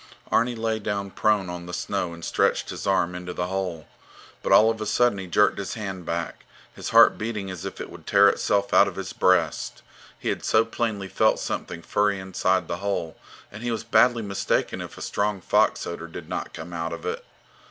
Arni lay down prone on the snow and stretched his arm into the hole. But all of a sudden he jerked his hand back, his heart beating as if it would tear itself out of his breast. He had so plainly felt something furry inside the hole, and he was badly mistaken if a strong fox odour did not come out of it.